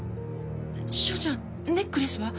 翔ちゃんネックレスは？